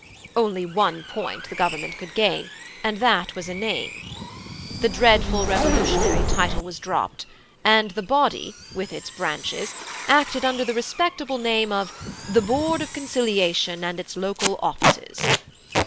Only one point the Government could gain, and that was a name. The dreadful revolutionary title was dropped, and the body, with its branches, acted under the respectable name of the 'Board of Conciliation and its local offices.'